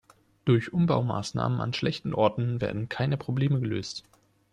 Durch Umbaumaßnahmen an schlechten Orten werden keine Probleme gelöst.